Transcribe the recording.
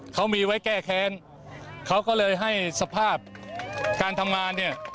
เขามีไว้แก้แค้นเขาก็เลยให้สภาพการทำงานเนี่ย